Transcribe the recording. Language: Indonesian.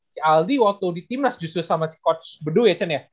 si aldi waktu di timnas justru sama si coach bedu ya chan ya